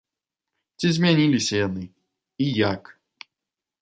Ці змяніліся яны, і як?